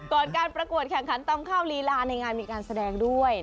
ก่อนการประกวดแข่งขันตำข้าวลีลาในงานมีการแสดงด้วย